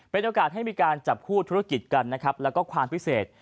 เป็นโอกาสให้มีการจับคู่ธุรกิจกันนะครับแล้วก็ความพิเศษ